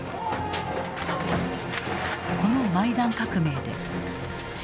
このマイダン革命で親